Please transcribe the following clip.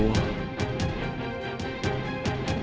makasih ya dok